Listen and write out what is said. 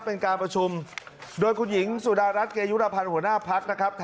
เป็นการประชุมโดยคุณหญิงสุดารัฐเกยุรพันธ์หัวหน้าพักนะครับ